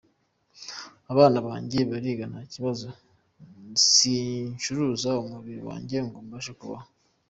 Abana banjye bariga nta kibazo, singicuruza umubiri wanjye ngo mbashe kubaho.